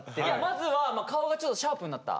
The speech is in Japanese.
まずは顔がちょっとシャープになった。